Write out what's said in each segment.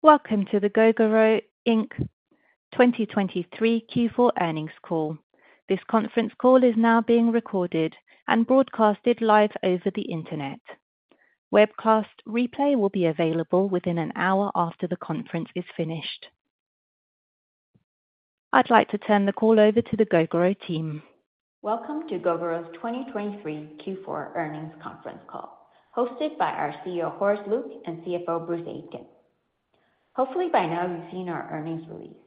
Welcome to the Gogoro Inc. 2023 Q4 earnings call. This conference call is now being recorded and broadcasted live over the Internet. Webcast replay will be available within an hour after the conference is finished. I'd like to turn the call over to the Gogoro team. Welcome to Gogoro's 2023 Q4 earnings conference call, hosted by our CEO, Horace Luke, and CFO, Bruce Aitken. Hopefully, by now you've seen our earnings release.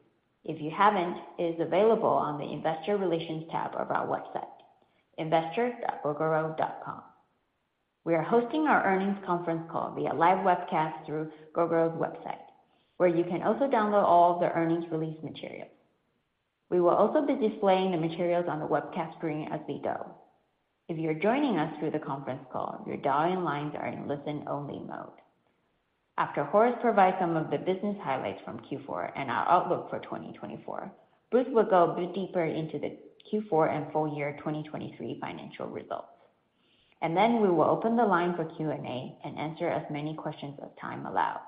If you haven't, it is available on the Investor Relations tab of our website, investors.gogoro.com. We are hosting our earnings conference call via live webcast through Gogoro's website, where you can also download all of the earnings release materials. We will also be displaying the materials on the webcast screen as we go. If you're joining us through the conference call, your dial-in lines are in listen-only mode. After Horace provides some of the business highlights from Q4 and our outlook for 2024, Bruce will go a bit deeper into the Q4 and full year 2023 financial results. We will open the line for Q&A and answer as many questions as time allows.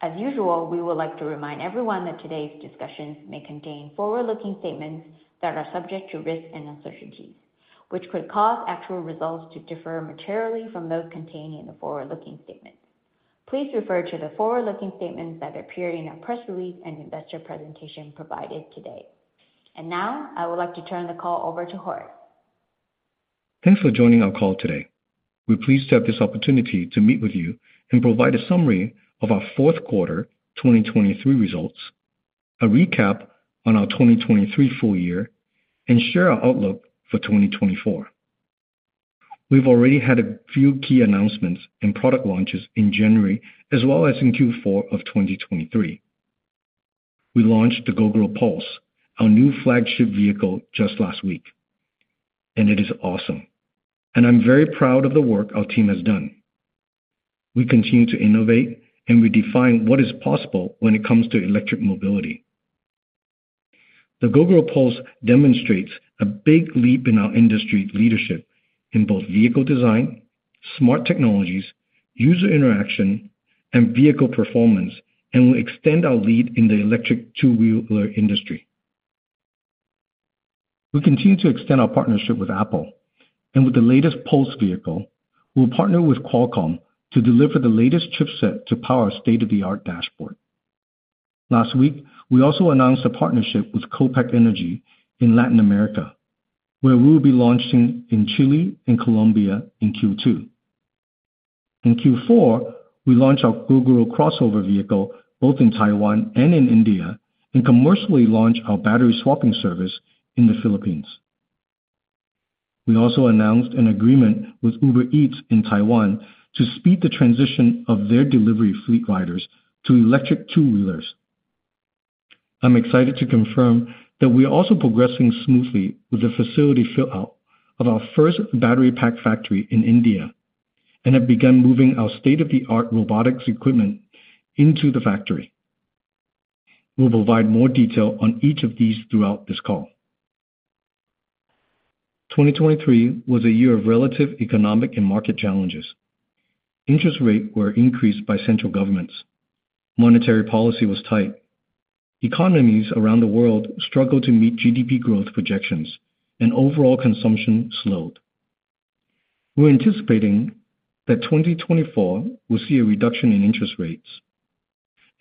As usual, we would like to remind everyone that today's discussions may contain forward-looking statements that are subject to risks and uncertainties, which could cause actual results to differ materially from those contained in the forward-looking statements. Please refer to the forward-looking statements that appear in our press release and investor presentation provided today. Now, I would like to turn the call over to Horace. Thanks for joining our call today. We're pleased to have this opportunity to meet with you and provide a summary of our fourth quarter 2023 results, a recap on our 2023 full year, and share our outlook for 2024. We've already had a few key announcements and product launches in January, as well as in Q4 of 2023. We launched the Gogoro Pulse, our new flagship vehicle, just last week, and it is awesome. And I'm very proud of the work our team has done. We continue to innovate, and we define what is possible when it comes to electric mobility. The Gogoro Pulse demonstrates a big leap in our industry leadership in both vehicle design, smart technologies, user interaction, and vehicle performance, and will extend our lead in the electric two-wheeler industry. We continue to extend our partnership with Apple, and with the latest Pulse vehicle, we'll partner with Qualcomm to deliver the latest chip set to power state-of-the-art dashboard. Last week, we also announced a partnership with Copec in Latin America, where we will be launching in Chile and Colombia in Q2. In Q4, we launched our Gogoro CrossOver vehicle, both in Taiwan and in India, and commercially launched our battery swapping service in the Philippines. We also announced an agreement with Uber Eats in Taiwan to speed the transition of their delivery fleet riders to electric two-wheelers. I'm excited to confirm that we are also progressing smoothly with the build-out of our first battery pack factory in India, and have begun moving our state-of-the-art robotics equipment into the factory. We'll provide more detail on each of these throughout this call. 2023 was a year of relative economic and market challenges. Interest rates were increased by central governments. Monetary policy was tight. Economies around the world struggled to meet GDP growth projections, and overall consumption slowed. We're anticipating that 2024 will see a reduction in interest rates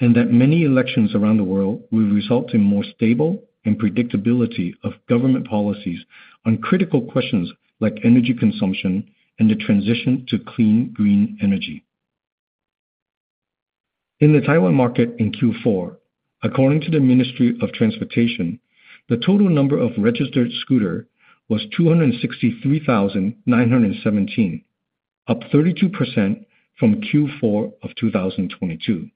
and that many elections around the world will result in more stable and predictability of government policies on critical questions like energy consumption and the transition to clean, green energy. In the Taiwan market in Q4, according to the Ministry of Transportation, the total number of registered scooter was 263,917, up 32% from Q4 of 2022.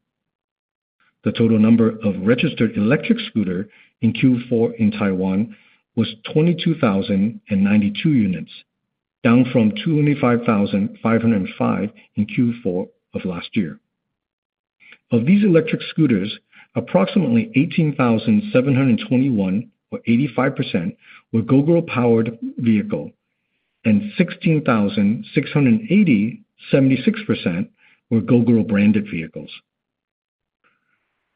The total number of registered electric scooter in Q4 in Taiwan was 22,092 units, down from 205,505 in Q4 of last year. Of these electric scooters, approximately 18,721, or 85%, were Gogoro-powered vehicles, and 16,680, 76%, were Gogoro-branded vehicles.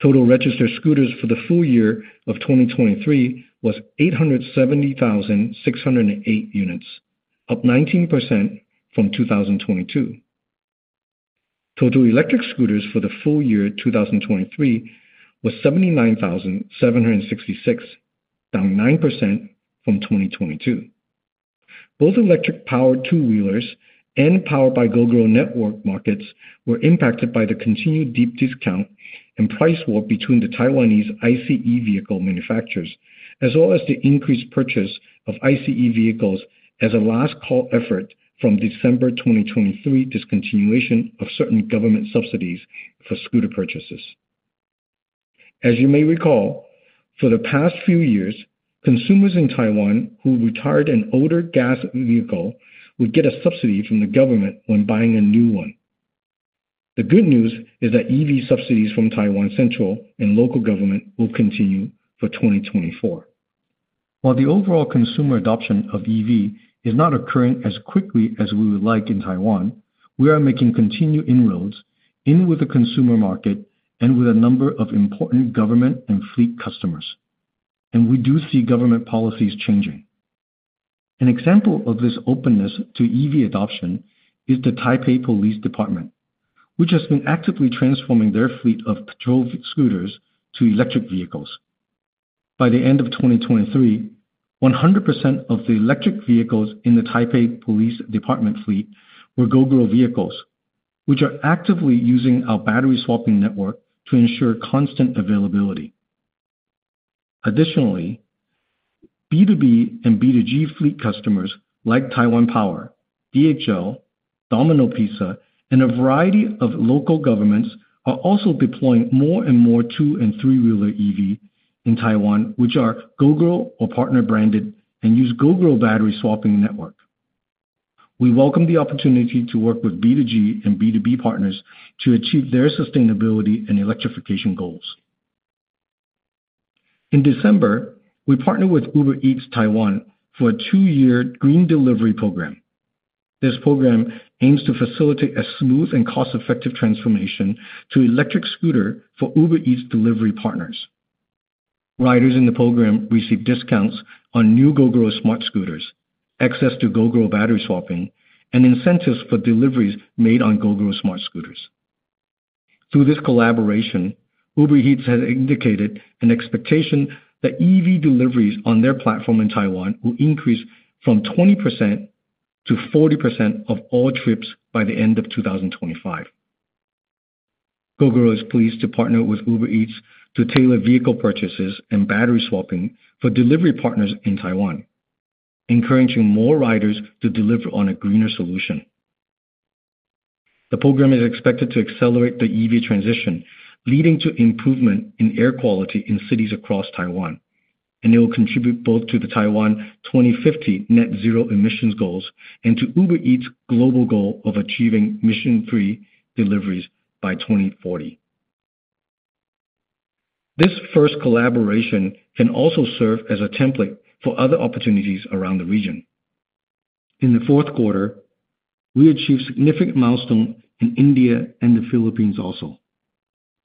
Total registered scooters for the full year of 2023 was 870,608 units, up 19% from 2022. Total electric scooters for the full year 2023 was 79,766, down 9% from 2022. Both electric-powered two-wheelers and powered by Gogoro Network markets were impacted by the continued deep discount and price war between the Taiwanese ICE vehicle manufacturers, as well as the increased purchase of ICE vehicles as a last call effort from December 2023 discontinuation of certain government subsidies for scooter purchases. As you may recall, for the past few years, consumers in Taiwan who retired an older gas vehicle would get a subsidy from the government when buying a new one. The good news is that EV subsidies from Taiwan central and local government will continue for 2024. While the overall consumer adoption of EV is not occurring as quickly as we would like in Taiwan, we are making continued inroads in with the consumer market and with a number of important government and fleet customers, and we do see government policies changing. An example of this openness to EV adoption is the Taipei Police Department, which has been actively transforming their fleet of patrol scooters to electric vehicles. By the end of 2023, 100% of the electric vehicles in the Taipei Police Department fleet were Gogoro vehicles, which are actively using our battery swapping network to ensure constant availability. Additionally, B2B and B2G fleet customers like Taiwan Power, DHL, Domino's Pizza, and a variety of local governments are also deploying more and more two- and three-wheeler EV in Taiwan, which are Gogoro or partner-branded, and use Gogoro battery swapping network. We welcome the opportunity to work with B2G and B2B partners to achieve their sustainability and electrification goals. In December, we partnered with Uber Eats Taiwan for a two-year green delivery program. This program aims to facilitate a smooth and cost-effective transformation to electric scooter for Uber Eats delivery partners. Riders in the program receive discounts on new Gogoro Smartscooters, access to Gogoro battery swapping, and incentives for deliveries made on Gogoro Smartscooters. Through this collaboration, Uber Eats has indicated an expectation that EV deliveries on their platform in Taiwan will increase from 20%-40% of all trips by the end of 2025. Gogoro is pleased to partner with Uber Eats to tailor vehicle purchases and battery swapping for delivery partners in Taiwan, encouraging more riders to deliver on a greener solution. The program is expected to accelerate the EV transition, leading to improvement in air quality in cities across Taiwan, and it will contribute both to the Taiwan 2050 net zero emissions goals and to Uber Eats' global goal of achieving zero-emission deliveries by 2040. This first collaboration can also serve as a template for other opportunities around the region. In the fourth quarter, we achieved significant milestone in India and the Philippines also.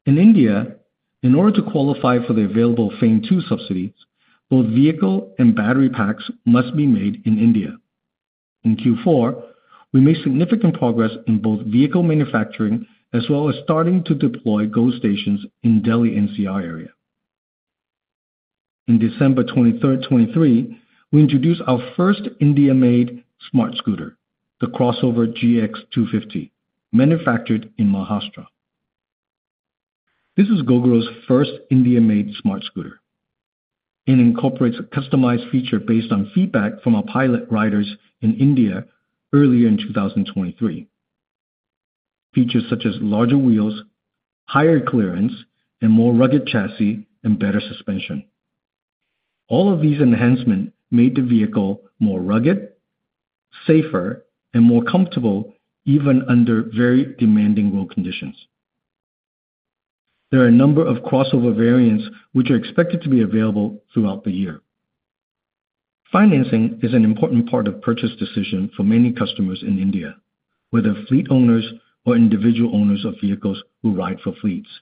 In India, in order to qualify for the available FAME II subsidies, both vehicle and battery packs must be made in India. In Q4, we made significant progress in both vehicle manufacturing as well as starting to deploy GoStations in Delhi NCR area. In December 23, 2023, we introduced our first India-made Smartscooter, the CrossOver GX250, manufactured in Maharashtra. This is Gogoro's first India-made Smartscooter. It incorporates a customized feature based on feedback from our pilot riders in India earlier in 2023. Features such as larger wheels, higher clearance, and more rugged chassis, and better suspension. All of these enhancements made the vehicle more rugged, safer, and more comfortable, even under very demanding road conditions. There are a number of CrossOver variants which are expected to be available throughout the year. Financing is an important part of purchase decision for many customers in India, whether fleet owners or individual owners of vehicles who ride for fleets.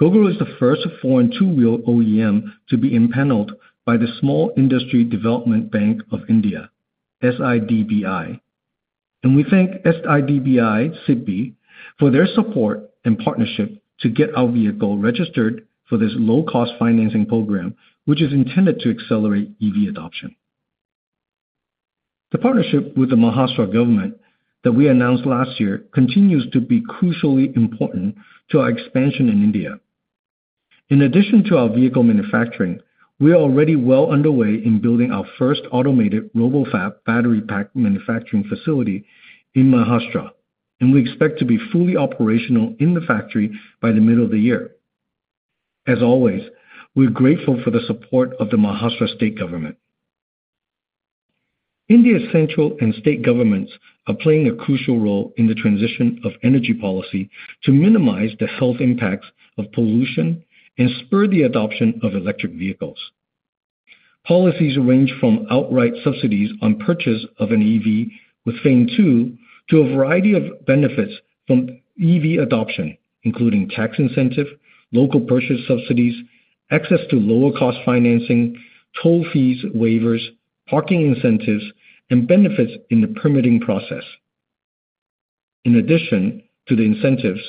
Gogoro is the first foreign two-wheel OEM to be impaneled by the Small Industries Development Bank of India, SIDBI. We thank SIDBI, SIDBI, for their support and partnership to get our vehicle registered for this low-cost financing program, which is intended to accelerate EV adoption. The partnership with the Maharashtra government that we announced last year continues to be crucially important to our expansion in India. In addition to our vehicle manufacturing, we are already well underway in building our first automated RoboFab battery pack manufacturing facility in Maharashtra, and we expect to be fully operational in the factory by the middle of the year. As always, we're grateful for the support of the Maharashtra State Government. India's central and state governments are playing a crucial role in the transition of energy policy to minimize the health impacts of pollution and spur the adoption of electric vehicles. Policies range from outright subsidies on purchase of an EV with FAME II, to a variety of benefits from EV adoption, including tax incentive, local purchase subsidies, access to lower-cost financing, toll fees waivers, parking incentives, and benefits in the permitting process. In addition to the incentives,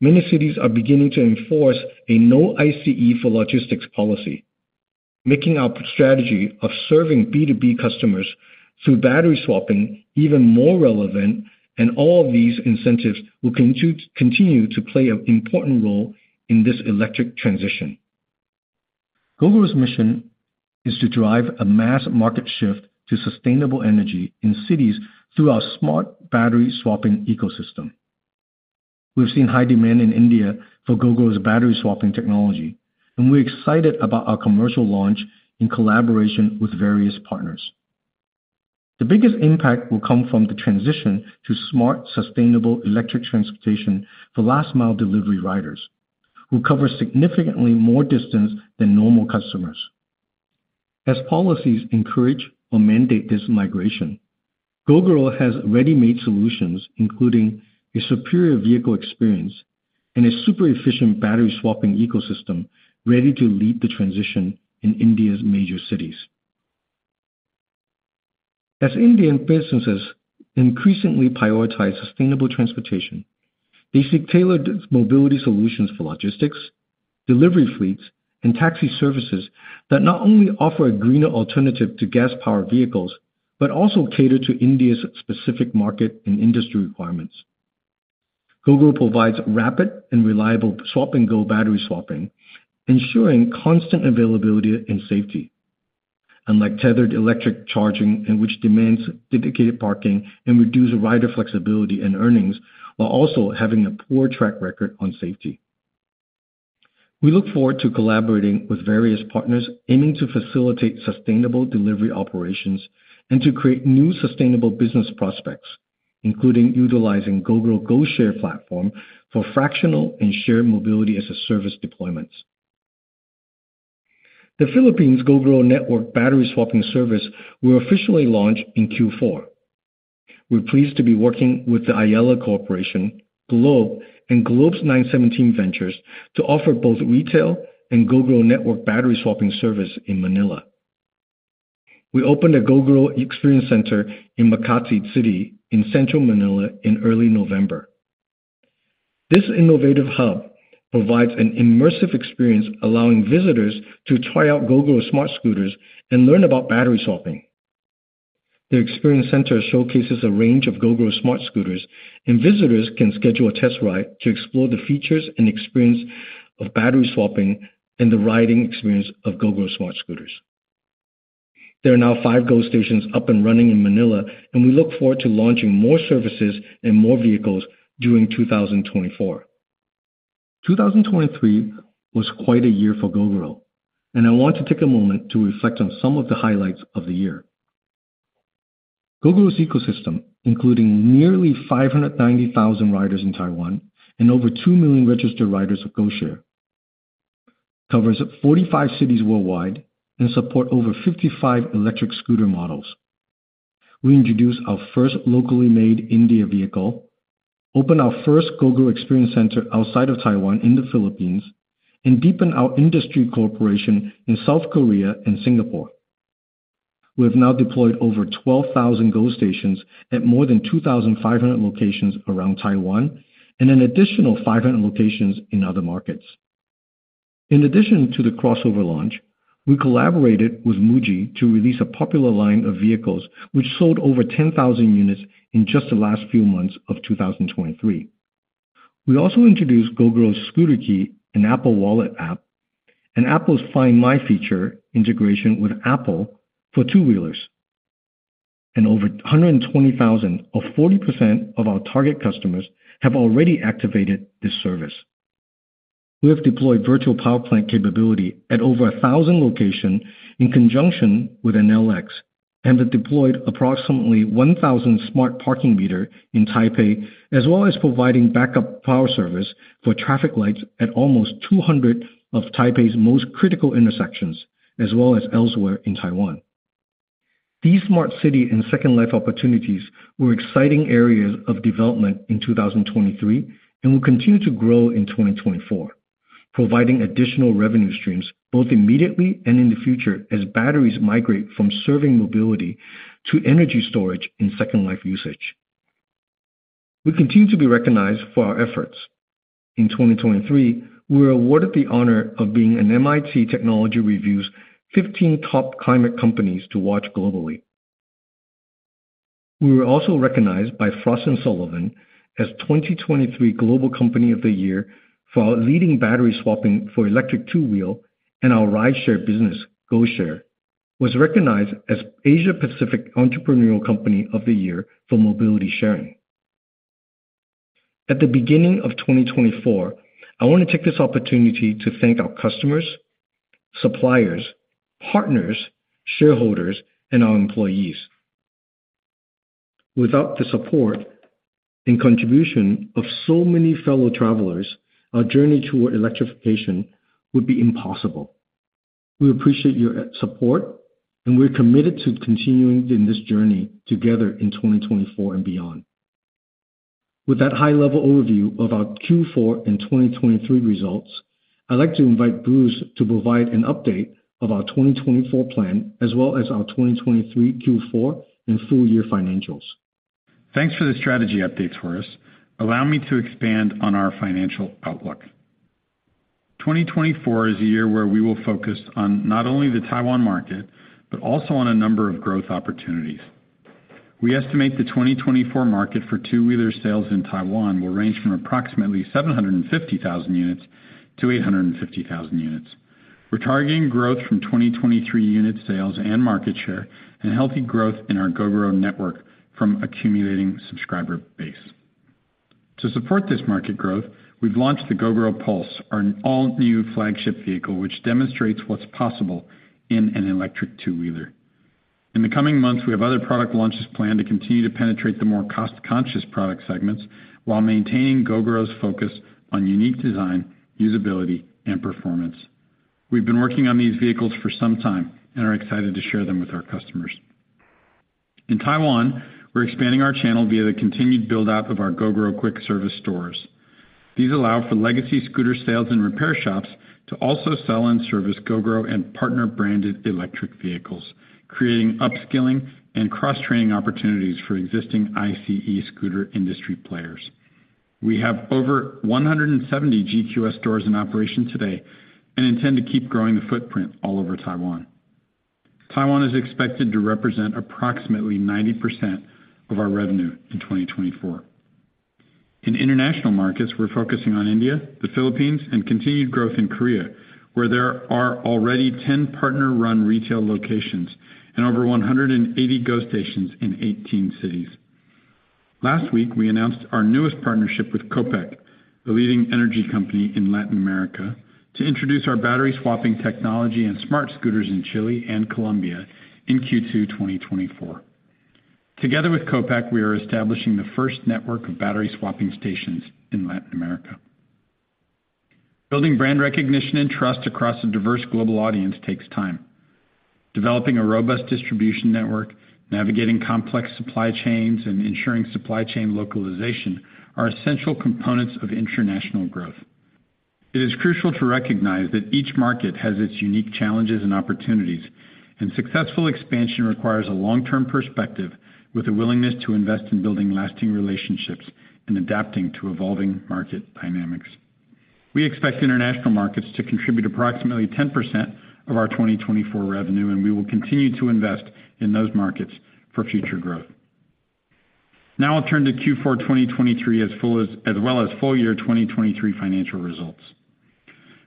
many cities are beginning to enforce a no ICE for logistics policy, making our strategy of serving B2B customers through battery swapping even more relevant, and all of these incentives will continue to play an important role in this electric transition. Gogoro's mission is to drive a mass market shift to sustainable energy in cities through our smart battery swapping ecosystem. We've seen high demand in India for Gogoro's battery swapping technology, and we're excited about our commercial launch in collaboration with various partners.... The biggest impact will come from the transition to smart, sustainable electric transportation for last mile delivery riders, who cover significantly more distance than normal customers. As policies encourage or mandate this migration, Gogoro has ready-made solutions, including a superior vehicle experience and a super efficient battery swapping ecosystem, ready to lead the transition in India's major cities. As Indian businesses increasingly prioritize sustainable transportation, they seek tailored mobility solutions for logistics, delivery fleets, and taxi services that not only offer a greener alternative to gas-powered vehicles, but also cater to India's specific market and industry requirements. Gogoro provides rapid and reliable Swap and Go battery swapping, ensuring constant availability and safety, unlike tethered electric charging, in which demands dedicated parking and reduce rider flexibility and earnings, while also having a poor track record on safety. We look forward to collaborating with various partners aiming to facilitate sustainable delivery operations and to create new sustainable business prospects, including utilizing Gogoro GoShare platform for fractional and shared mobility as a service deployments. The Philippines Gogoro Network battery swapping service will officially launch in Q4. We're pleased to be working with the Ayala Corporation, Globe, and Globe's 917 Ventures, to offer both retail and Gogoro Network battery swapping service in Manila. We opened a Gogoro Experience Center in Makati City in central Manila in early November. This innovative hub provides an immersive experience, allowing visitors to try out Gogoro Smartscooters and learn about battery swapping. The Experience Center showcases a range of Gogoro Smartscooters, and visitors can schedule a test ride to explore the features and experience of battery swapping and the riding experience of Gogoro Smartscooters. There are now five GoStations up and running in Manila, and we look forward to launching more services and more vehicles during 2024. 2023 was quite a year for Gogoro, and I want to take a moment to reflect on some of the highlights of the year. Gogoro's ecosystem, including nearly 590,000 riders in Taiwan and over 2 million registered riders of GoShare, covers 45 cities worldwide and support over 55 electric scooter models. We introduced our first locally made India vehicle, opened our first Gogoro Experience Center outside of Taiwan in the Philippines, and deepened our industry cooperation in South Korea and Singapore. We have now deployed over 12,000 GoStations at more than 2,500 locations around Taiwan and an additional 500 locations in other markets. In addition to the CrossOver launch, we collaborated with MUJI to release a popular line of vehicles, which sold over 10,000 units in just the last few months of 2023. We also introduced Gogoro's Scooter Key, an Apple Wallet app, and Apple's Find My feature integration with Apple for two-wheelers. Over 120,000, or 40% of our target customers, have already activated this service. We have deployed virtual power plant capability at over 1,000 locations in conjunction with Enel X, and have deployed approximately 1,000 smart parking meters in Taipei, as well as providing backup power service for traffic lights at almost 200 of Taipei's most critical intersections, as well as elsewhere in Taiwan. These smart city and second life opportunities were exciting areas of development in 2023 and will continue to grow in 2024, providing additional revenue streams both immediately and in the future, as batteries migrate from serving mobility to energy storage and second life usage. We continue to be recognized for our efforts. In 2023, we were awarded the honor of being an MIT Technology Review's 15 top climate companies to watch globally. We were also recognized by Frost & Sullivan as 2023 Global Company of the Year for our leading battery swapping for electric two-wheelers, and our rideshare business, GoShare, was recognized as Asia Pacific Entrepreneurial Company of the Year for mobility sharing. At the beginning of 2024, I want to take this opportunity to thank our customers, suppliers, partners, shareholders, and our employees. Without the support and contribution of so many fellow travelers, our journey toward electrification would be impossible. We appreciate your support, and we're committed to continuing in this journey together in 2024 and beyond. With that high-level overview of our Q4 and 2023 results, I'd like to invite Bruce to provide an update of our 2024 plan, as well as our 2023 Q4 and full year financials. Thanks for the strategy update, Horace. Allow me to expand on our financial outlook. 2024 is a year where we will focus on not only the Taiwan market, but also on a number of growth opportunities. We estimate the 2024 market for two-wheeler sales in Taiwan will range from approximately 750,000-850,000 units. We're targeting growth from 2023 unit sales and market share, and healthy growth in our Gogoro Network from accumulating subscriber base.... To support this market growth, we've launched the Gogoro Pulse, our all-new flagship vehicle, which demonstrates what's possible in an electric two-wheeler. In the coming months, we have other product launches planned to continue to penetrate the more cost-conscious product segments, while maintaining Gogoro's focus on unique design, usability, and performance. We've been working on these vehicles for some time and are excited to share them with our customers. In Taiwan, we're expanding our channel via the continued build-out of our Gogoro Quick Service stores. These allow for legacy scooter sales and repair shops to also sell and service Gogoro and partner-branded electric vehicles, creating upskilling and cross-training opportunities for existing ICE scooter industry players. We have over 170 GQS stores in operation today and intend to keep growing the footprint all over Taiwan. Taiwan is expected to represent approximately 90% of our revenue in 2024. In international markets, we're focusing on India, the Philippines, and continued growth in Korea, where there are already 10 partner-run retail locations and over 180 GoStations in 18 cities. Last week, we announced our newest partnership with Copec, the leading energy company in Latin America, to introduce our battery-swapping technology and Smartscooters in Chile and Colombia in Q2 2024. Together with Copec, we are establishing the first network of battery-swapping stations in Latin America. Building brand recognition and trust across a diverse global audience takes time. Developing a robust distribution network, navigating complex supply chains, and ensuring supply chain localization are essential components of international growth. It is crucial to recognize that each market has its unique challenges and opportunities, and successful expansion requires a long-term perspective with a willingness to invest in building lasting relationships and adapting to evolving market dynamics. We expect international markets to contribute approximately 10% of our 2024 revenue, and we will continue to invest in those markets for future growth. Now I'll turn to Q4 2023 as well as full year 2023 financial results.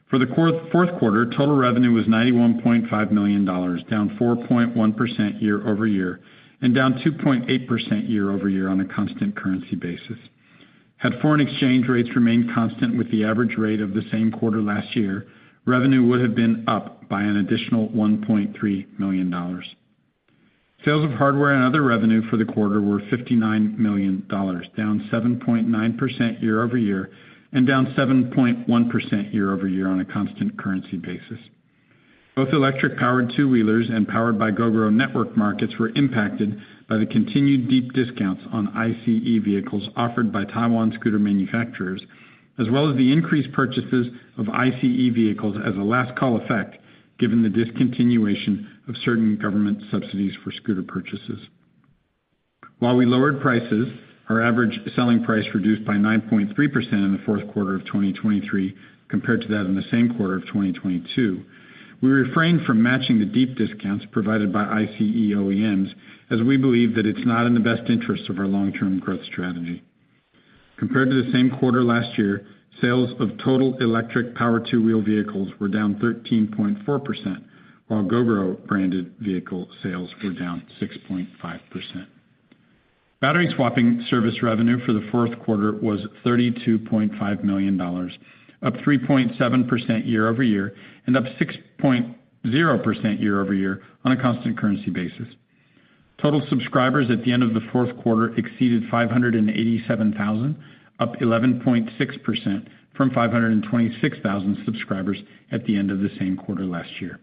For the fourth quarter, total revenue was $91.5 million, down 4.1% year-over-year and down 2.8% year-over-year on a constant currency basis. Had foreign exchange rates remained constant with the average rate of the same quarter last year, revenue would have been up by an additional $1.3 million. Sales of hardware and other revenue for the quarter were $59 million, down 7.9% year-over-year and down 7.1% year-over-year on a constant currency basis. Both electric-powered two-wheelers and powered by Gogoro Network markets were impacted by the continued deep discounts on ICE vehicles offered by Taiwan scooter manufacturers, as well as the increased purchases of ICE vehicles as a last-call effect, given the discontinuation of certain government subsidies for scooter purchases. While we lowered prices, our average selling price reduced by 9.3% in the fourth quarter of 2023 compared to that in the same quarter of 2022. We refrained from matching the deep discounts provided by ICE OEMs, as we believe that it's not in the best interest of our long-term growth strategy. Compared to the same quarter last year, sales of total electric power two-wheel vehicles were down 13.4%, while Gogoro-branded vehicle sales were down 6.5%. Battery swapping service revenue for the fourth quarter was $32.5 million, up 3.7% year-over-year and up 6.0% year-over-year on a constant currency basis. Total subscribers at the end of the fourth quarter exceeded 587,000, up 11.6% from 526,000 subscribers at the end of the same quarter last year.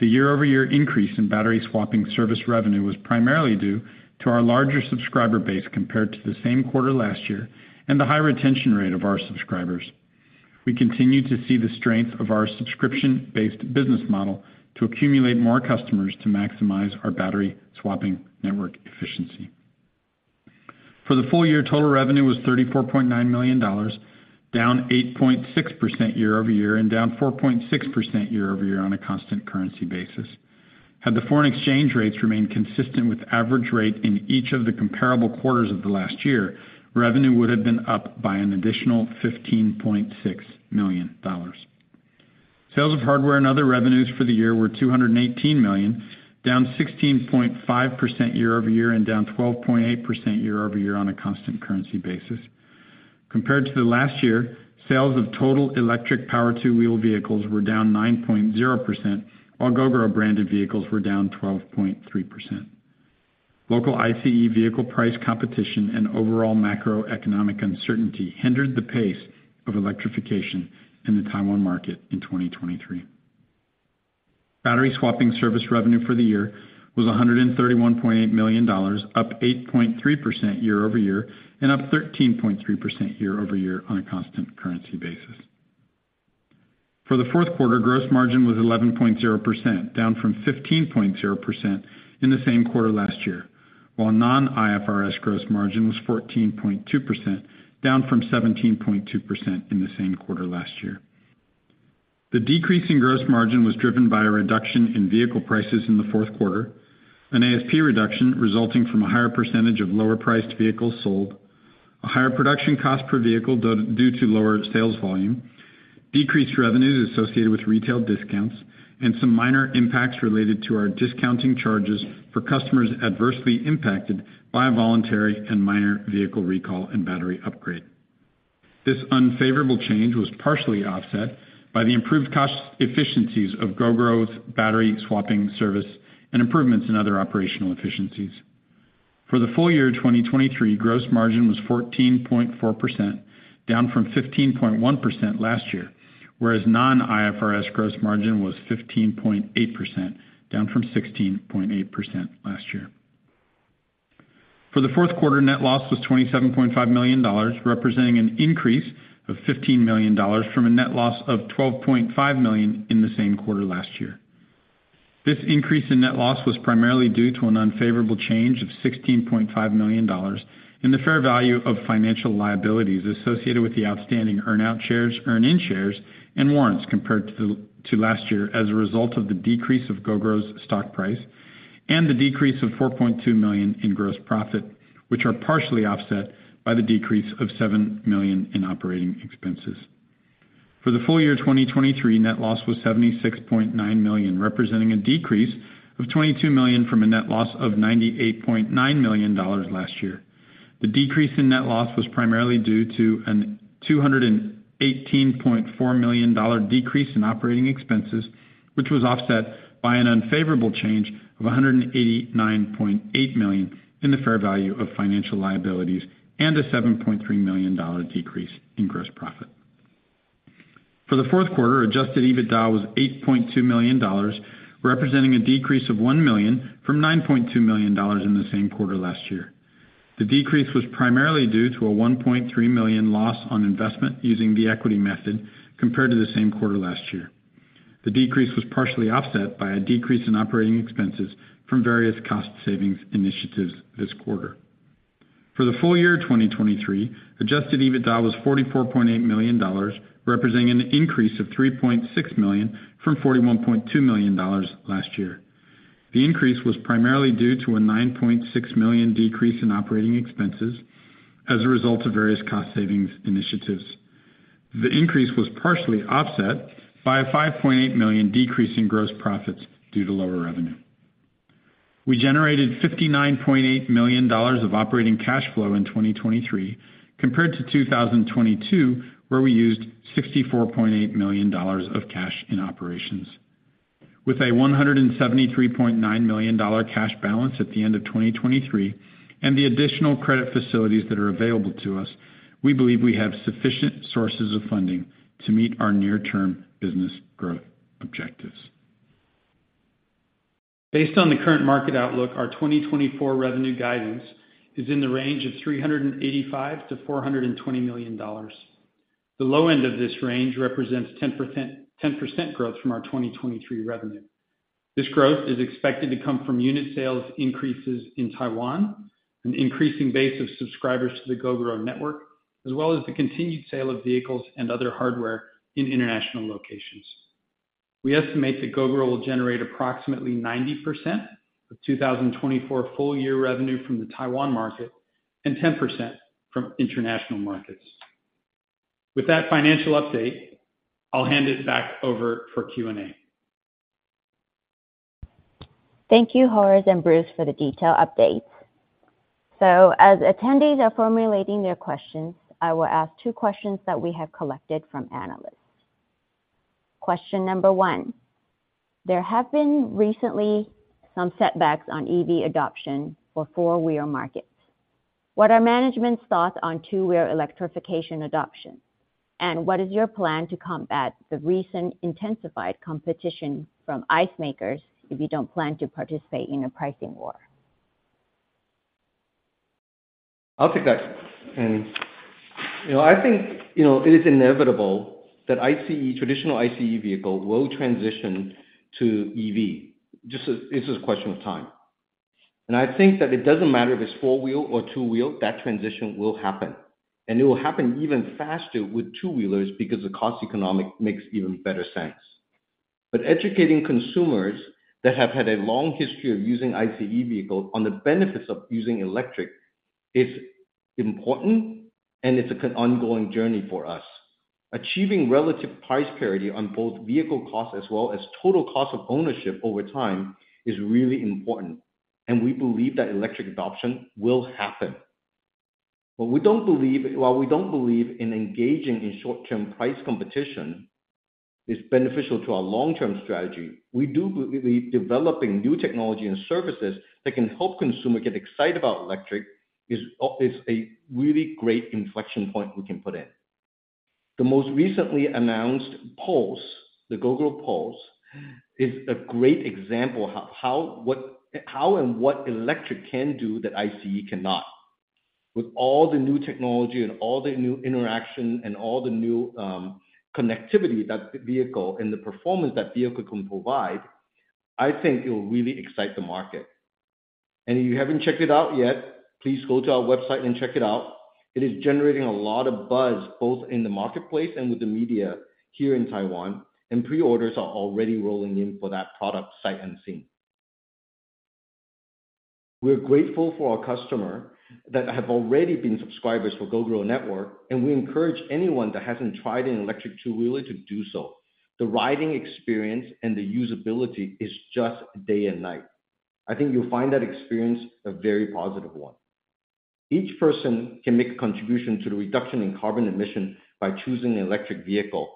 The year-over-year increase in battery swapping service revenue was primarily due to our larger subscriber base compared to the same quarter last year and the high retention rate of our subscribers. We continue to see the strength of our subscription-based business model to accumulate more customers to maximize our battery-swapping network efficiency. For the full year, total revenue was $34.9 million, down 8.6% year-over-year and down 4.6% year-over-year on a constant currency basis. Had the foreign exchange rates remained consistent with average rate in each of the comparable quarters of the last year, revenue would have been up by an additional $15.6 million. Sales of hardware and other revenues for the year were $218 million, down 16.5% year-over-year and down 12.8% year-over-year on a constant currency basis. Compared to the last year, sales of total electric power two-wheel vehicles were down 9.0%, while Gogoro-branded vehicles were down 12.3%. Local ICE vehicle price competition and overall macroeconomic uncertainty hindered the pace of electrification in the Taiwan market in 2023. Battery swapping service revenue for the year was $131.8 million, up 8.3% year-over-year and up 13.3% year-over-year on a constant currency basis. For the fourth quarter, gross margin was 11.0%, down from 15.0% in the same quarter last year, while non-IFRS gross margin was 14.2%, down from 17.2% in the same quarter last year. The decrease in gross margin was driven by a reduction in vehicle prices in the fourth quarter, an ASP reduction resulting from a higher percentage of lower-priced vehicles sold, a higher production cost per vehicle due to lower sales volume-... Decreased revenues associated with retail discounts and some minor impacts related to our discounting charges for customers adversely impacted by a voluntary and minor vehicle recall and battery upgrade. This unfavorable change was partially offset by the improved cost efficiencies of Gogoro's battery swapping service and improvements in other operational efficiencies. For the full year 2023, gross margin was 14.4%, down from 15.1% last year, whereas non-IFRS gross margin was 15.8%, down from 16.8% last year. For the fourth quarter, net loss was $27.5 million, representing an increase of $15 million from a net loss of $12.5 million in the same quarter last year. This increase in net loss was primarily due to an unfavorable change of $16.5 million in the fair value of financial liabilities associated with the outstanding earn-out shares, earn-in shares, and warrants compared to last year as a result of the decrease of Gogoro's stock price, and the decrease of $4.2 million in gross profit, which are partially offset by the decrease of $7 million in operating expenses. For the full year 2023, net loss was $76.9 million, representing a decrease of $22 million from a net loss of $98.9 million last year. The decrease in net loss was primarily due to a $218.4 million decrease in operating expenses, which was offset by an unfavorable change of $189.8 million in the fair value of financial liabilities, and a $7.3 million decrease in gross profit. For the fourth quarter, adjusted EBITDA was $8.2 million, representing a decrease of $1 million from $9.2 million in the same quarter last year. The decrease was primarily due to a $1.3 million loss on investment using the equity method compared to the same quarter last year. The decrease was partially offset by a decrease in operating expenses from various cost savings initiatives this quarter. For the full year 2023, adjusted EBITDA was $44.8 million, representing an increase of $3.6 million from $41.2 million last year. The increase was primarily due to a $9.6 million decrease in operating expenses as a result of various cost savings initiatives. The increase was partially offset by a $5.8 million decrease in gross profits due to lower revenue. We generated $59.8 million of operating cash flow in 2023, compared to 2022, where we used $64.8 million of cash in operations. With a $173.9 million cash balance at the end of 2023, and the additional credit facilities that are available to us, we believe we have sufficient sources of funding to meet our near-term business growth objectives. Based on the current market outlook, our 2024 revenue guidance is in the range of $385 million-$420 million. The low end of this range represents 10%, 10% growth from our 2023 revenue. This growth is expected to come from unit sales increases in Taiwan, an increasing base of subscribers to the Gogoro network, as well as the continued sale of vehicles and other hardware in international locations. We estimate that Gogoro will generate approximately 90% of 2024 full year revenue from the Taiwan market and 10% from international markets. With that financial update, I'll hand it back over for Q&A. Thank you, Horace and Bruce, for the detailed updates. As attendees are formulating their questions, I will ask two questions that we have collected from analysts. Question number one: There have been recently some setbacks on EV adoption for four-wheel markets. What are management's thoughts on two-wheel electrification adoption, and what is your plan to combat the recent intensified competition from ICE makers if you don't plan to participate in a pricing war? I'll take that. You know, I think, you know, it is inevitable that ICE, traditional ICE vehicle, will transition to EV. Just as... It's just a question of time. I think that it doesn't matter if it's four-wheel or two-wheel, that transition will happen, and it will happen even faster with two-wheelers because the cost economics makes even better sense. But educating consumers that have had a long history of using ICE vehicles on the benefits of using electric is important, and it's an ongoing journey for us. Achieving relative price parity on both vehicle costs as well as total cost of ownership over time is really important, and we believe that electric adoption will happen. But we don't believe—while we don't believe in engaging in short-term price competition is beneficial to our long-term strategy, we do believe developing new technology and services that can help consumers get excited about electric is is a really great inflection point we can put in. The most recently announced Pulse, the Gogoro Pulse, is a great example how what electric can do that ICE cannot. With all the new technology and all the new interaction and all the new connectivity that the vehicle and the performance that vehicle can provide, I think it will really excite the market. And if you haven't checked it out yet, please go to our website and check it out. It is generating a lot of buzz, both in the marketplace and with the media here in Taiwan, and pre-orders are already rolling in for that product, sight unseen. ...We're grateful for our customer that have already been subscribers for Gogoro Network, and we encourage anyone that hasn't tried an electric two-wheeler to do so. The riding experience and the usability is just day and night. I think you'll find that experience a very positive one. Each person can make a contribution to the reduction in carbon emission by choosing an electric vehicle.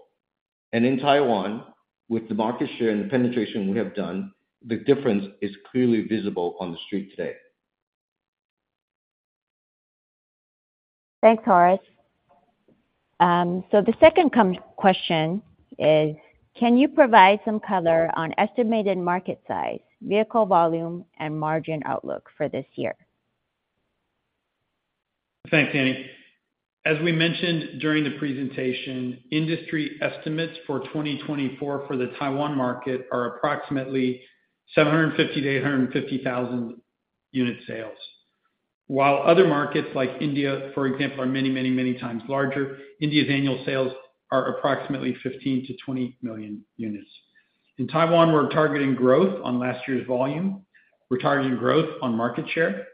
In Taiwan, with the market share and the penetration we have done, the difference is clearly visible on the street today. Thanks, Horace. So the second question is, can you provide some color on estimated market size, vehicle volume, and margin outlook for this year? Thanks, Annie. As we mentioned during the presentation, industry estimates for 2024 for the Taiwan market are approximately 750,000-850,000 unit sales. While other markets, like India, for example, are many, many, many times larger, India's annual sales are approximately 15-20 million units. In Taiwan, we're targeting growth on last year's volume. We're targeting growth on market share,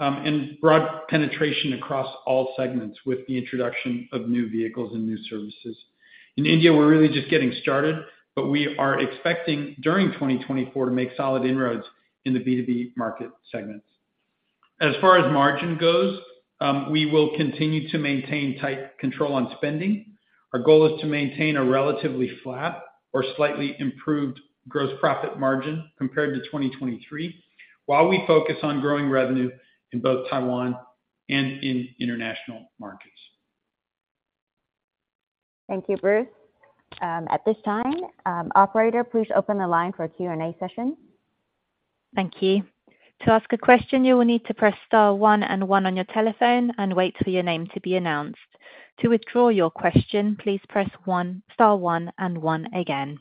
and broad penetration across all segments with the introduction of new vehicles and new services. In India, we're really just getting started, but we are expecting during 2024 to make solid inroads in the B2B market segments. As far as margin goes, we will continue to maintain tight control on spending. Our goal is to maintain a relatively flat or slightly improved gross profit margin compared to 2023, while we focus on growing revenue in both Taiwan and in international markets. Thank you, Bruce. At this time, operator, please open the line for a Q&A session. Thank you. To ask a question, you will need to press star one and one on your telephone and wait for your name to be announced. To withdraw your question, please press one, star one and one again.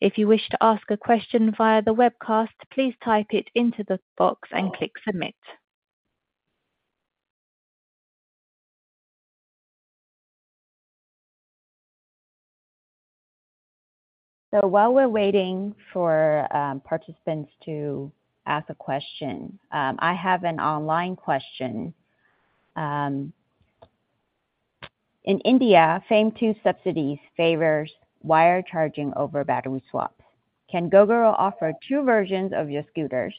If you wish to ask a question via the webcast, please type it into the box and click submit. While we're waiting for participants to ask a question, I have an online question. In India, FAME-II subsidies favors wire charging over battery swap. Can Gogoro offer two versions of your scooters,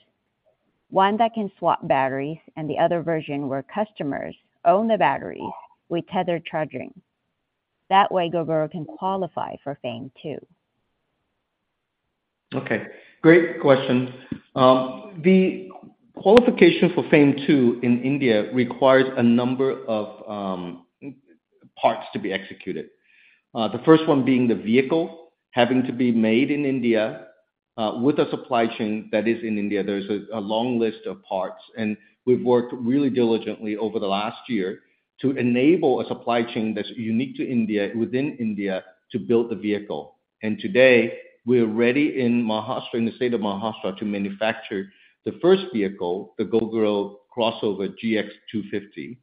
one that can swap batteries and the other version where customers own the batteries with tethered charging? That way, Gogoro can qualify for FAME-II. Okay, great question. The qualification for FAME-II in India requires a number of parts to be executed. The first one being the vehicle having to be made in India, with a supply chain that is in India. There's a long list of parts, and we've worked really diligently over the last year to enable a supply chain that's unique to India, within India, to build the vehicle. And today, we're ready in Maharashtra, in the state of Maharashtra, to manufacture the first vehicle, the Gogoro CrossOver GX250,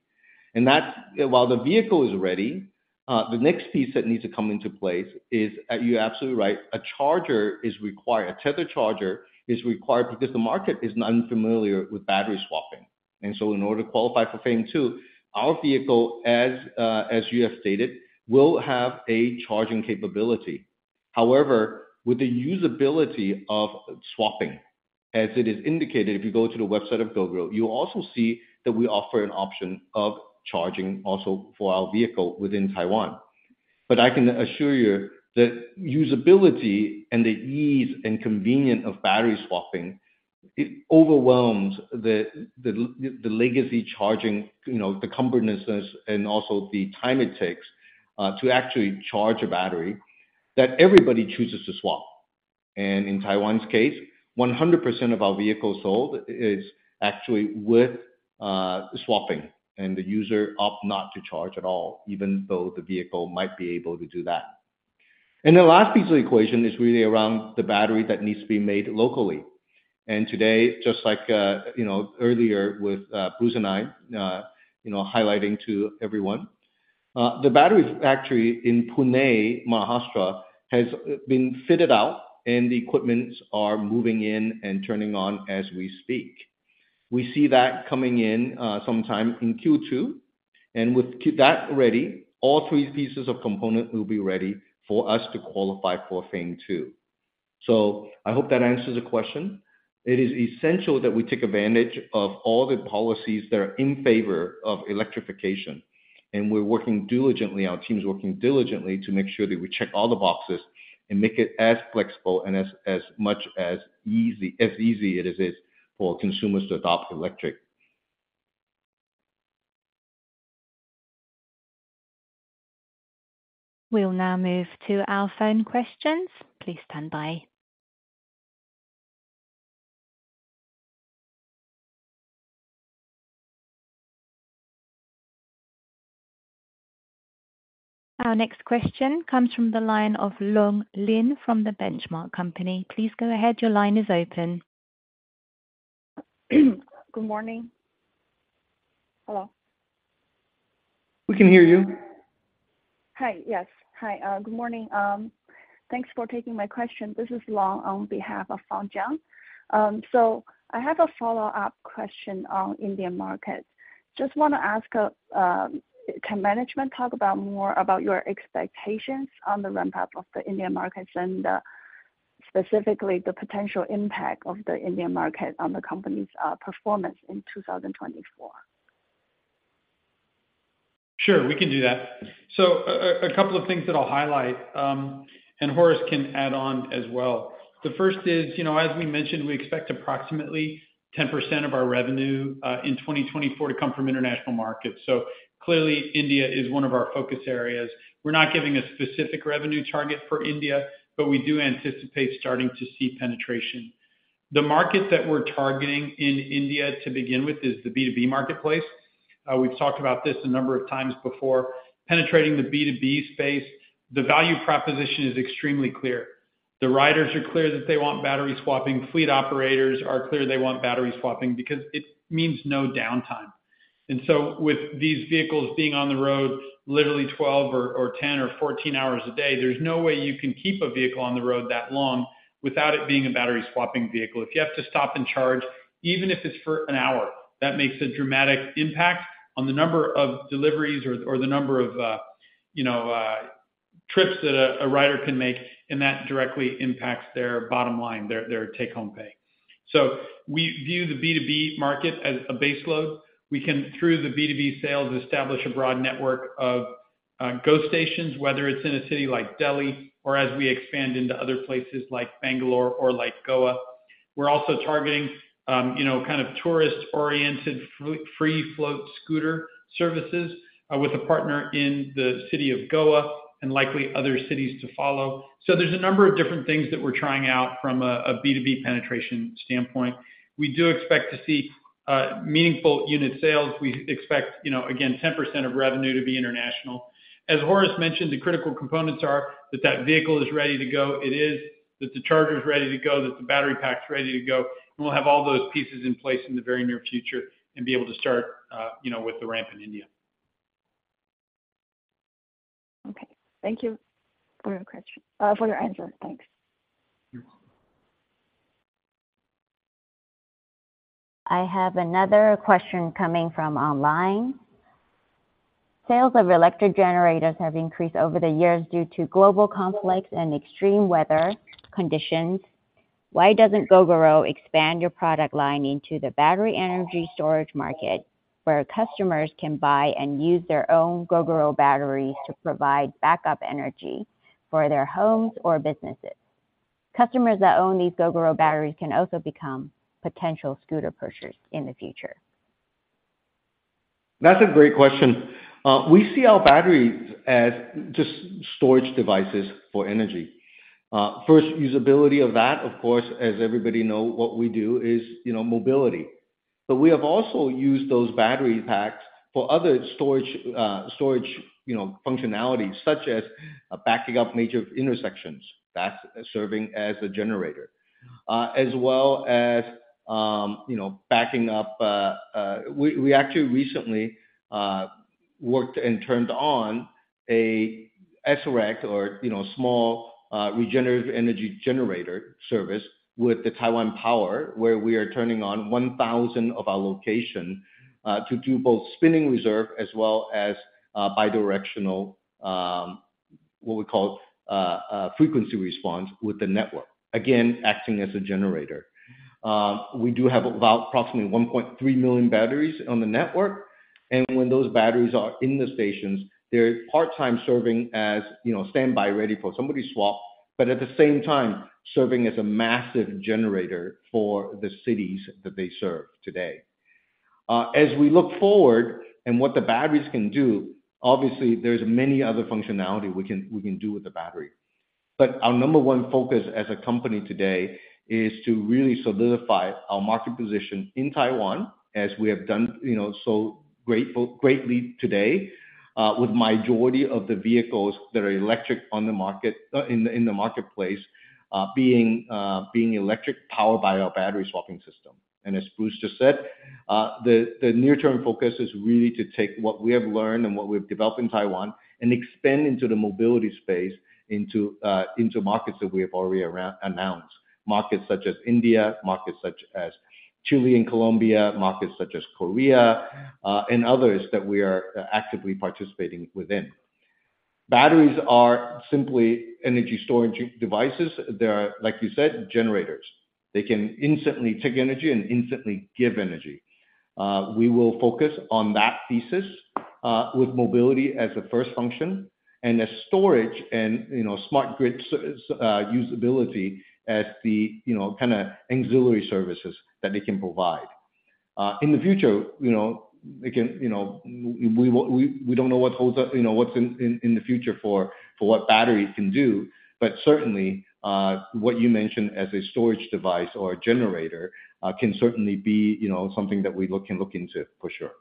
and that's... While the vehicle is ready, the next piece that needs to come into place is, you're absolutely right, a charger is required. A tether charger is required because the market is unfamiliar with battery swapping. In order to qualify for FAME-II, our vehicle, as you have stated, will have a charging capability. However, with the usability of swapping, as it is indicated, if you go to the website of Gogoro, you'll also see that we offer an option of charging also for our vehicle within Taiwan. But I can assure you that usability and the ease and convenience of battery swapping, it overwhelms the legacy charging, you know, the cumbersomeness and also the time it takes to actually charge a battery, that everybody chooses to swap. In Taiwan's case, 100% of our vehicles sold is actually with swapping, and the user opt not to charge at all, even though the vehicle might be able to do that. The last piece of the equation is really around the battery that needs to be made locally. Today, just like, you know, earlier with, Bruce and I, you know, highlighting to everyone, the battery factory in Pune, Maharashtra, has been fitted out, and the equipment is moving in and turning on as we speak. We see that coming in, sometime in Q2, and with that ready, all three pieces of component will be ready for us to qualify for FAME-II. So I hope that answers the question. It is essential that we take advantage of all the policies that are in favor of electrification, and we're working diligently, our team's working diligently to make sure that we check all the boxes and make it as flexible and as easy as it is for consumers to adopt electric. We'll now move to our phone questions. Please stand by. Our next question comes from the line of Long Lin from The Benchmark Company. Please go ahead. Your line is open. Good morning. Hello?... We can hear you. Hi. Yes. Hi, good morning. Thanks for taking my question. This is Long on behalf of Fawne Jiang. So I have a follow-up question on Indian markets. Just wanna ask, can management talk about more about your expectations on the ramp-up of the Indian markets, and, specifically the potential impact of the Indian market on the company's, performance in 2024? Sure, we can do that. So a couple of things that I'll highlight, and Horace can add on as well. The first is, you know, as we mentioned, we expect approximately 10% of our revenue in 2024 to come from international markets. So clearly, India is one of our focus areas. We're not giving a specific revenue target for India, but we do anticipate starting to see penetration. The market that we're targeting in India, to begin with, is the B2B marketplace. We've talked about this a number of times before. Penetrating the B2B space, the value proposition is extremely clear. The riders are clear that they want battery swapping. Fleet operators are clear they want battery swapping because it means no downtime. With these vehicles being on the road, literally 12 or 10 or 14 hours a day, there's no way you can keep a vehicle on the road that long without it being a battery swapping vehicle. If you have to stop and charge, even if it's for an hour, that makes a dramatic impact on the number of deliveries or the number of, you know, trips that a rider can make, and that directly impacts their bottom line, their take-home pay. We view the B2B market as a base load. We can, through the B2B sales, establish a broad network of GoStations, whether it's in a city like Delhi or as we expand into other places like Bangalore or like Goa. We're also targeting, you know, kind of tourist-oriented free float scooter services, with a partner in the city of Goa and likely other cities to follow. So there's a number of different things that we're trying out from a, a B2B penetration standpoint. We do expect to see meaningful unit sales. We expect, you know, again, 10% of revenue to be international. As Horace mentioned, the critical components are that, that vehicle is ready to go, it is. That the charger is ready to go, that the battery pack is ready to go, and we'll have all those pieces in place in the very near future and be able to start, you know, with the ramp in India. Okay. Thank you for your question, for your answer. Thanks. You're welcome. I have another question coming from online. Sales of electric generators have increased over the years due to global conflicts and extreme weather conditions. Why doesn't Gogoro expand your product line into the battery energy storage market, where customers can buy and use their own Gogoro batteries to provide backup energy for their homes or businesses? Customers that own these Gogoro batteries can also become potential scooter purchasers in the future. That's a great question. We see our batteries as just storage devices for energy. First usability of that, of course, as everybody know, what we do is, you know, mobility. But we have also used those battery packs for other storage, you know, functionalities, such as backing up major intersections, that's serving as a generator. As well as, you know, backing up. We actually recently worked and turned on a SREC or, you know, small, regenerative energy generator service with the Taiwan Power, where we are turning on 1,000 of our location, to do both spinning reserve as well as, bi-directional, what we call, frequency response with the network. Again, acting as a generator. We do have about approximately 1.3 million batteries on the network, and when those batteries are in the stations, they're part-time serving as, you know, standby, ready for somebody swap, but at the same time, serving as a massive generator for the cities that they serve today. As we look forward and what the batteries can do, obviously, there's many other functionality we can, we can do with the battery. But our number one focus as a company today is to really solidify our market position in Taiwan, as we have done, you know, so greatly today, with majority of the vehicles that are electric on the market, in the marketplace, being, being electric, powered by our battery swapping system. As Bruce just said, the near-term focus is really to take what we have learned and what we've developed in Taiwan and expand into the mobility space, into markets that we have already announced. Markets such as India, markets such as Chile and Colombia, markets such as Korea, and others that we are actively participating within. Batteries are simply energy storage devices. They are, like you said, generators. They can instantly take energy and instantly give energy. We will focus on that thesis, with mobility as a first function and as storage and, you know, smart grid usability as the, you know, kinda auxiliary services that they can provide. In the future, you know, we can... You know, we don't know what holds up, you know, what's in the future for what batteries can do, but certainly, what you mentioned as a storage device or a generator can certainly be, you know, something that we can look into for sure.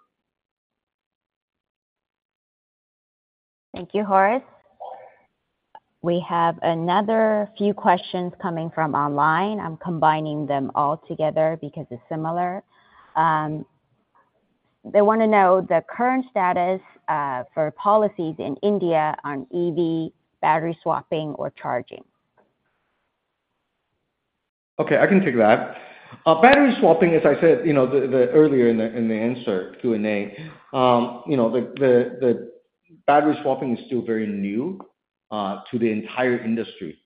Thank you, Horace. We have another few questions coming from online. I'm combining them all together because it's similar. They wanna know the current status for policies in India on EV battery swapping or charging. Okay, I can take that. Battery swapping, as I said, you know, earlier in the answer Q&A. You know, the battery swapping is still very new to the entire industry.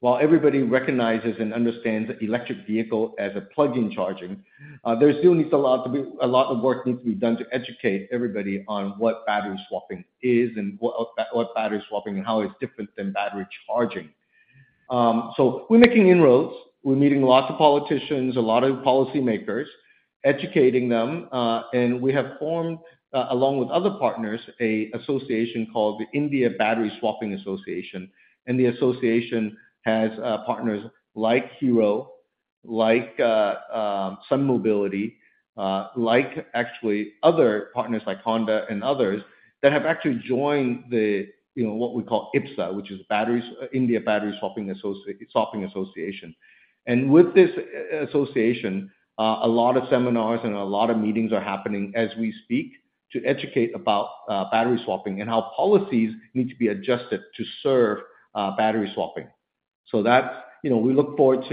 While everybody recognizes and understands electric vehicle as a plug-in charging, a lot of work needs to be done to educate everybody on what battery swapping is and what battery swapping and how it's different than battery charging. So we're making inroads. We're meeting lots of politicians, a lot of policymakers, educating them. And we have formed, along with other partners, an association called the India Battery Swapping Association. The association has partners like Hero, like Sun Mobility, like actually other partners like Honda and others that have actually joined the, you know, what we call IBSA, which is India Battery Swapping Association. With this association, a lot of seminars and a lot of meetings are happening as we speak to educate about battery swapping and how policies need to be adjusted to serve battery swapping. That's... You know, we look forward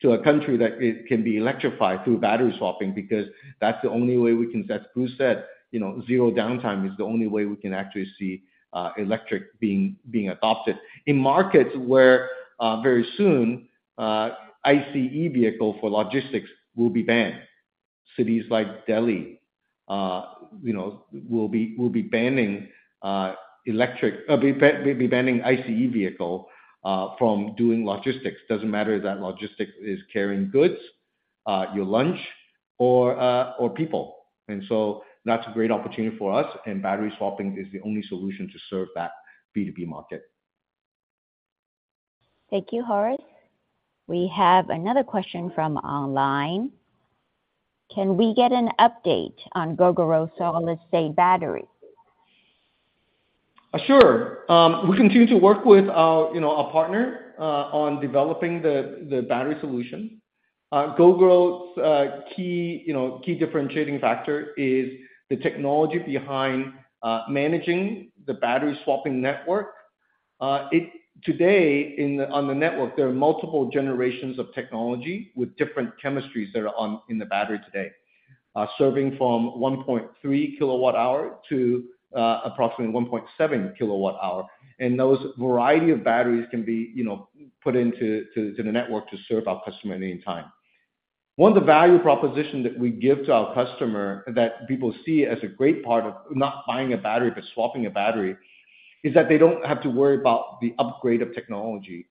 to a country that it can be electrified through battery swapping, because that's the only way we can set... Bruce said, you know, zero downtime is the only way we can actually see electric being adopted. In markets where very soon ICE vehicle for logistics will be banned. Cities like Delhi, you know, will be banning ICE vehicle from doing logistics. Doesn't matter if that logistic is carrying goods, your lunch or people. So that's a great opportunity for us, and battery swapping is the only solution to serve that B2B market. Thank you, Horace. We have another question from online. Can we get an update on Gogoro Solid-State Battery? Sure. We continue to work with, you know, a partner on developing the battery solution. Gogoro's key, you know, key differentiating factor is the technology behind managing the battery swapping network. Today, on the network, there are multiple generations of technology with different chemistries that are on in the battery today. Serving from 1.3 kWh to approximately 1.7 kWh. And those variety of batteries can be, you know, put into the network to serve our customer at any time. One of the value proposition that we give to our customer, that people see as a great part of not buying a battery, but swapping a battery, is that they don't have to worry about the upgrade of technology.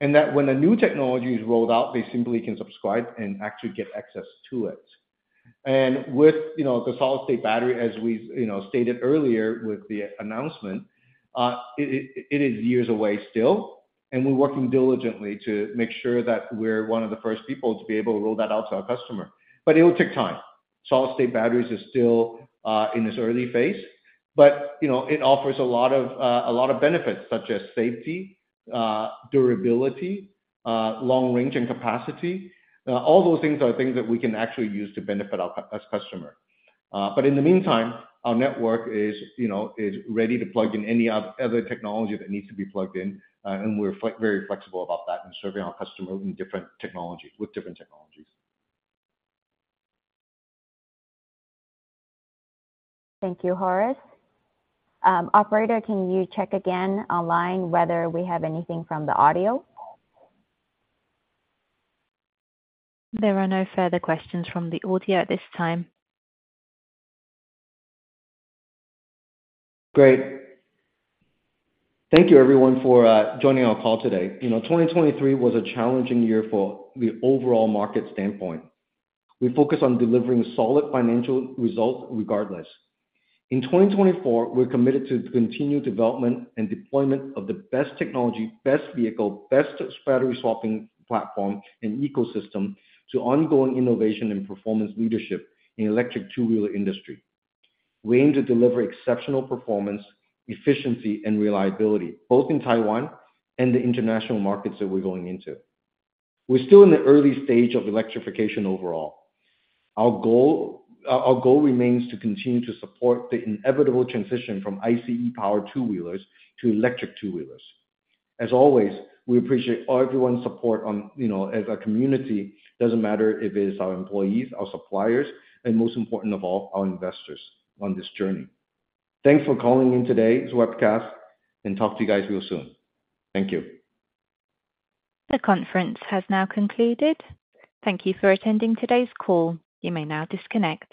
That when a new technology is rolled out, they simply can subscribe and actually get access to it. With, you know, the Solid-State Battery, as we've, you know, stated earlier with the announcement, it is years away still, and we're working diligently to make sure that we're one of the first people to be able to roll that out to our customer. But it will take time. Solid-State batteries is still in its early phase, but, you know, it offers a lot of a lot of benefits such as safety, durability, long range and capacity. All those things are things that we can actually use to benefit our customer. But in the meantime, our network is, you know, is ready to plug in any other technology that needs to be plugged in. We're very flexible about that in serving our customers in different technologies, with different technologies. Thank you, Horace. Operator, can you check again online whether we have anything from the audio? There are no further questions from the audio at this time. Great. Thank you everyone for joining our call today. You know, 2023 was a challenging year for the overall market standpoint. We focused on delivering solid financial results, regardless. In 2024, we're committed to continued development and deployment of the best technology, best vehicle, best battery swapping platform and ecosystem to ong ing innovation and performance leadership in electric two-wheeler industry. We aim to deliver exceptional performance, efficiency and reliability, both in Taiwan and the international markets that we're going into. We're still in the early stage of electrification overall. Our goal remains to continue to support the inevitable transition from ICE-powered two-wheelers to electric two-wheelers. As always, we appreciate everyone's support, you know, as a community, doesn't matter if it is our employees, our suppliers, and most important of all, our investors on this journey. Thanks for calling in today's webcast, and talk to you guys real soon. Thank you. The conference has now concluded. Thank you for attending today's call. You may now disconnect.